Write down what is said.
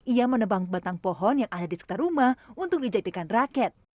ia menebang batang pohon yang ada di sekitar rumah untuk dijadikan raket